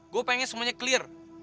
gua pengen semuanya clear